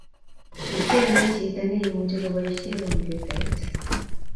Kichenge chito neimuchi koboishee kompyutait